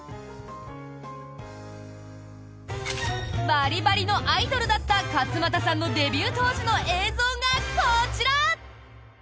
バリバリのアイドルだった勝俣さんのデビュー当時の映像がこちら！